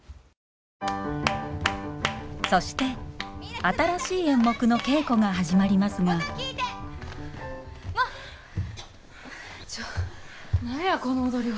そして新しい演目の稽古が始まりますがちょ何やこの踊りは。